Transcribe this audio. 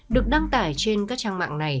được đăng tải trên các trang mạng